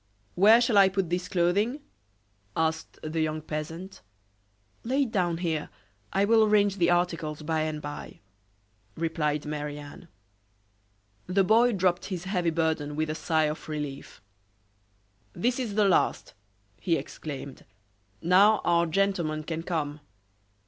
"Where shall I put this clothing?" asked the young peasant. "Lay it down here. I will arrange the articles by and by," replied Marie Anne. The boy dropped his heavy burden with a sigh of relief. "This is the last," he exclaimed. "Now, our gentleman can come."